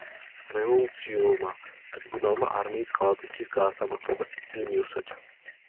რევოლუციურმა ტრიბუნალმა არმიის ღალატისთვის გაასამართლა და სიკვდილი მიუსაჯა.